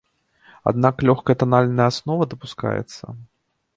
Аднак лёгкая танальная аснова дапускаецца.